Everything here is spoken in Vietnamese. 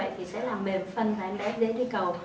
thì sẽ làm mềm phân cho em bé dễ đi cầu